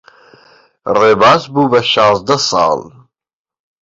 ڕێباز بوو بە شازدە ساڵ.